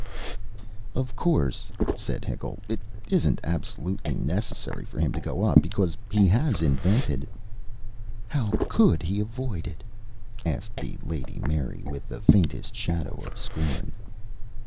"Of course," said Hickle, "it isn't absolutely necessary for him to go up because he has invented " "How COULD he avoid it?" asked the Lady Mary, with the faintest shadow of scorn.